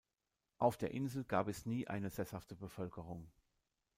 Auf der Insel gab es nie eine sesshafte Bevölkerung.